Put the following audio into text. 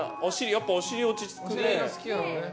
やっぱりお尻、落ち着くね。